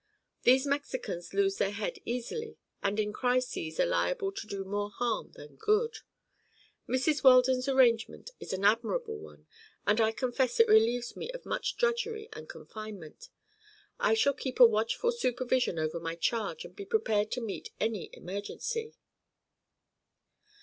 These Mexicans lose their heads easily and in crises are liable to do more harm than good. Mrs. Weldon's arrangement is an admirable one and I confess it relieves me of much drudgery and confinement. I shall keep a watchful supervision over my charge and be prepared to meet any emergency."